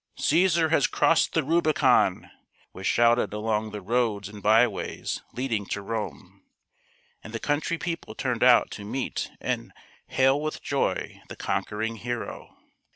" Caesar has crossed the Rubicon !" was shouted along the roads and byways leading to Rome ; and the country people turned out to meet and hail with joy the conquering hero.